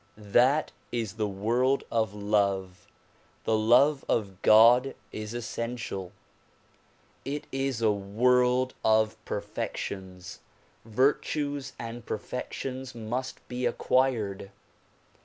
That is a world of love; the love of God is essential. It is a world of perfections; virtues or perfections must be acquired.